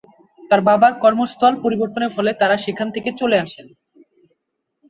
তার বাবার কর্মস্থল পরিবর্তনের ফলে তারা সেখান থেকে চলে আসেন।